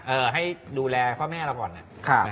เออให้ดูแลพ่อแม่เราก่อนเน